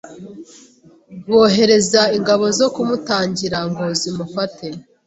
bohereza ingabo zo kumutangira ngo zimufate